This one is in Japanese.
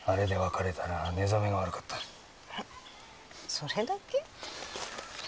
それだけ？